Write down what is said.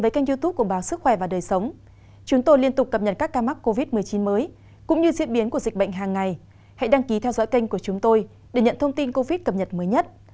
các bạn hãy đăng ký kênh của chúng tôi để nhận thông tin cập nhật mới nhất